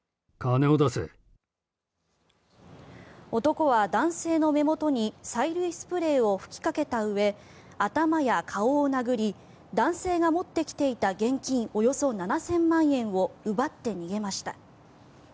男は、男性の目元に催涙スプレーを吹きかけたうえ頭や顔を殴り男性が持ってきていた現金およそ７０００万円を奪って逃げました。